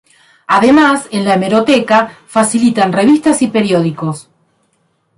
Además, en la Hemeroteca, facilitan revistas y periódicos.